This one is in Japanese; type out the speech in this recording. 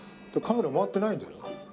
カメラ回ってないんだよ？